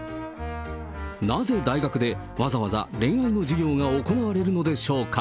なぜ、大学でわざわざ恋愛の授業が行われるのでしょうか。